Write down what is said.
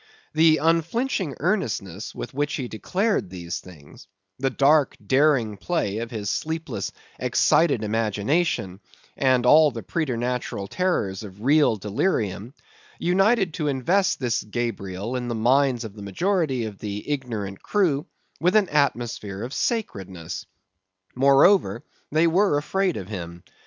The unflinching earnestness with which he declared these things;—the dark, daring play of his sleepless, excited imagination, and all the preternatural terrors of real delirium, united to invest this Gabriel in the minds of the majority of the ignorant crew, with an atmosphere of sacredness. Moreover, they were afraid of him.